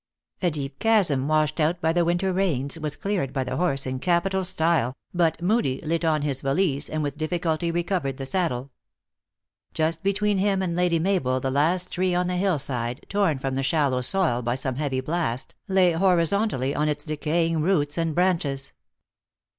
A deep chasm, washed out by the winter rains, was cleared by the horse in capital style, but Moodie lit on his valise, and with difficulty re covered the saddle. Just between him and Lady Ma bel the last tree on the hill side, torn from the shallow soil by some heavy blast, lay horizontally on its de caying roots and branches.